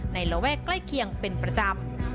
ระแวกใกล้เคียงเป็นประจำ